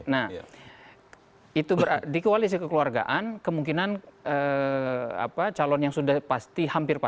nah itu di koalisi kekeluargaan kemungkinan calon yang sudah pasti hampir